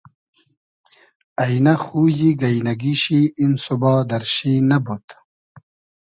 اݷنۂ خویی گݷنئگی شی ایم سوبا دئرشی نئبود